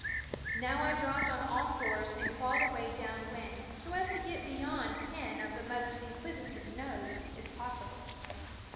Now I dropped on all fours and crawled away down wind, so as to get beyond ken of the mother's inquisitive nose if possible.